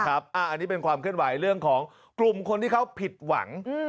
อันนี้เป็นความเคลื่อนไหวเรื่องของกลุ่มคนที่เขาผิดหวัง